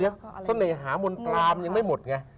เดี๋ยวสเนหามนตรามยังไม่หมดไง